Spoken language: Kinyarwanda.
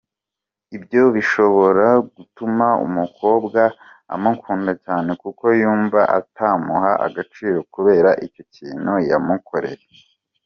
Ibyo bishobora gutuma umukobwa amukunda cyane kuko yumva atamuha agaciro kubera icyo kintu yamukoreye.